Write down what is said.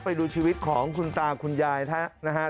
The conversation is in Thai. ไปดูชีวิตของคุณตาว์คุณยายนะฮะ